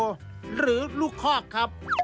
น้ำ๖๔๓๐๐๐๐หรือลูกคอกครับ